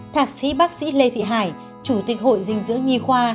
bác sĩ bác sĩ lê thị hải chủ tịch hội dinh dưỡng nghi khoa